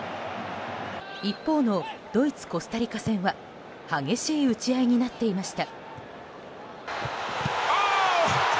一方のドイツ、コスタリカ戦は激しい打ち合いになっていました。